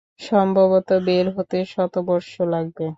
সম্ভবত বের হতে শতবর্ষ লাগবে।